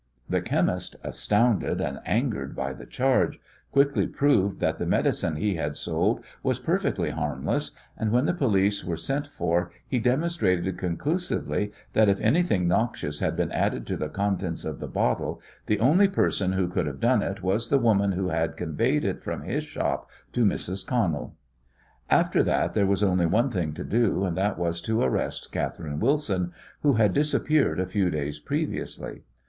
The chemist, astounded and angered by the charge, quickly proved that the medicine he had sold was perfectly harmless, and when the police were sent for he demonstrated conclusively that if anything noxious had been added to the contents of the bottle the only person who could have done it was the woman who had conveyed it from his shop to Mrs. Connell. After that there was only one thing to do, and that was to arrest Catherine Wilson, who had disappeared a few days previously.